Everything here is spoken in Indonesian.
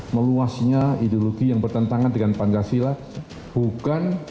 meluasnya ideologi yang bertentangan dengan pancasila bukan